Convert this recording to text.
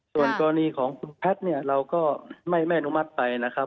ส่วนกรณีของคุณแพทย์เนี่ยเราก็ไม่อนุมัติไปนะครับ